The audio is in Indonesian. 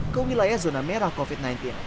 ke wilayah zona merah covid sembilan belas